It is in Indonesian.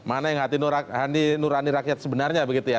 mana yang nurani rakyat sebenarnya begitu ya